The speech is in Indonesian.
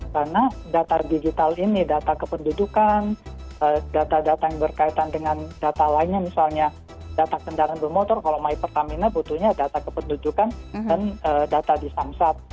karena data digital ini data kependudukan data data yang berkaitan dengan data lainnya misalnya data kendaraan bermotor kalau my pertamina butuhnya data kependudukan dan data di samsat